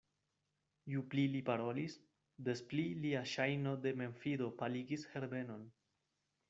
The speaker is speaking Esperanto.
Ju pli li parolis, des pli lia ŝajno de memfido paligis Herbenon.